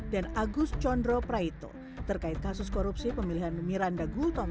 dan agus chondro praito terkait kasus korupsi pemilihan miranda gultom